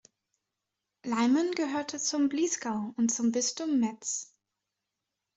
Leimen gehörte zum Bliesgau und zum Bistum Metz.